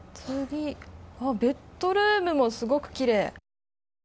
ベッドルームもすごくきれい。